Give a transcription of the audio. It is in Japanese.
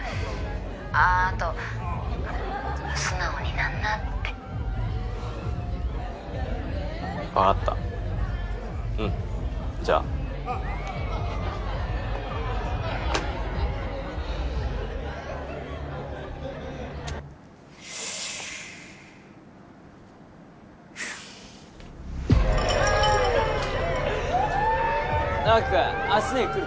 あっあと「素直になんな」って分かったうんじゃあ直己くんアスねえ来るって？